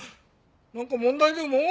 なんか問題でも？